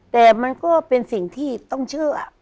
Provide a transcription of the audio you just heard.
แต่มันก็เป็นสิ่งที่ต้องเชื่อ